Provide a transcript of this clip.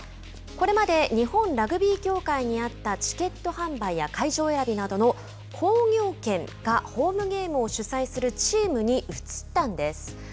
これまで日本ラグビー協会にあったチケット販売や会場選びなどの興行権がホームゲームを主催するチームに移ったんです。